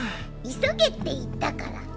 急げって言ったから。